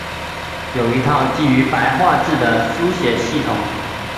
有一套基于白话字的书写系统。